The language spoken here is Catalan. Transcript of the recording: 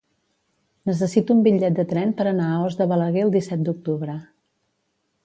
Necessito un bitllet de tren per anar a Os de Balaguer el disset d'octubre.